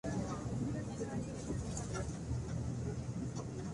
Se estimó en unos mil muertos, aunque las cifras oficiales nunca se conocieron.